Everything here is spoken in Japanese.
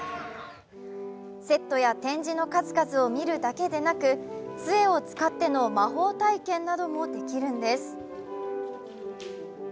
セットや展示の数々を見るだけでなくつえを使っての魔法体験などもできるんです。